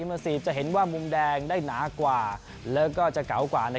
ง่ายสีบจะเห็นว่ามุมแดงได้น้ากว่าหลักกว่ากากว่า